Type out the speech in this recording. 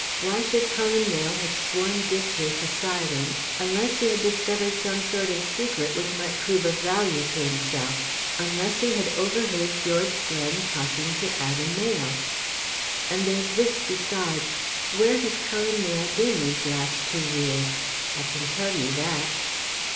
"Why should Cullen Mayle have sworn Dick here to silence unless he had discovered some sort of secret which might prove of value to himself, unless he had overhead George Glen talking to Adam Mayle? And there's this besides. Where has Cullen Mayle been these last two years? I can tell you that."